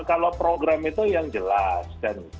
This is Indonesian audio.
kalau program itu yang jelas